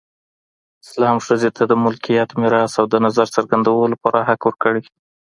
اسلام ښځې ته د ملکیت، میراث او د نظر څرګندولو پوره حق ورکړی